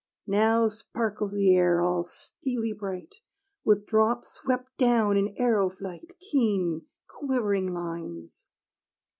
Now sparkles the air, all steely bright, With drops swept down in arrow flight, Keen, quivering lines.